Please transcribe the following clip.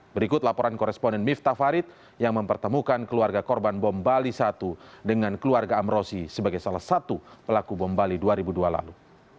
berikut laporan koresponen miftah farid yang mempertemukan keluarga korban bom bali satu dengan keluarga amrosi sebagai salah satu pelaku bom bali dua ribu dua lalu